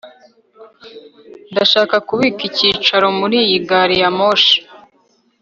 Ndashaka kubika icyicaro muri iyi gari ya moshi